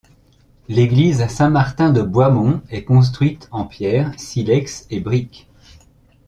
L’église Saint-Martin de Boismont est construite en pierre, silex et brique.